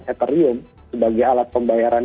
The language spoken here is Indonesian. ethereum sebagai alat pembayaran